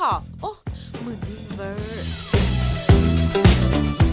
โอ้มือดี้เบอร์